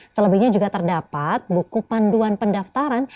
selebihnya juga terdapat buku panduan pendaftaran